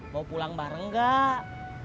mau pulang bareng gak